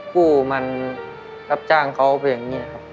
กู้มันรับจ้างเขาไปอย่างนี้ครับ